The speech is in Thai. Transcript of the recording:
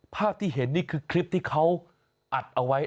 ภาพที่เห็นนี่คือคลิปที่เขาอัดเอาไว้